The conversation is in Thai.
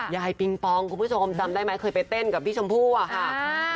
ปิงปองคุณผู้ชมจำได้ไหมเคยไปเต้นกับพี่ชมพู่อะค่ะ